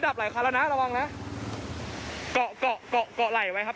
ดับไหลคันแล้วนะระวังนะเกาะเกาะเกาะเกาะไหล่ไว้ครับ